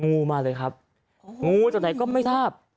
งูมาเลยครับงูจากไหนก็ไม่ทราบ